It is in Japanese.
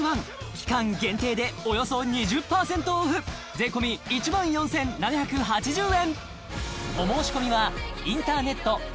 期間限定でおよそ２０％オフ税込１４７８０円